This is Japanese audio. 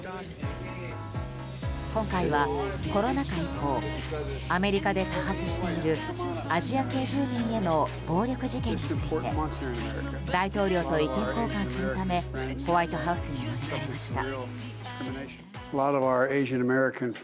今回はコロナ禍以降アメリカで多発しているアジア系住民への暴力事件について大統領と意見交換するためホワイトハウスに招かれました。